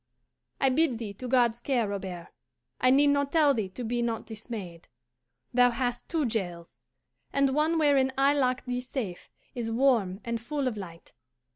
"I bid thee to God's care, Robert. I need not tell thee to be not dismayed. Thou hast two jails, and one wherein I lock thee safe is warm and full of light.